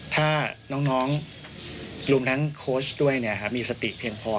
ถ้าน้องรวมทั้งโค้ชด้วยมีสติเพียงพอ